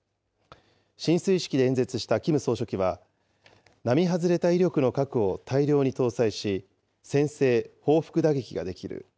進水式で演説したキム総書記は、並外れた威力の核を大量に搭載し、先制・報復打撃ができる。